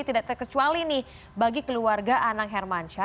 tidak terkecuali nih bagi keluarga anang hermansyah